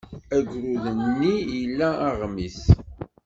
Agrud-nni ila aɣmis.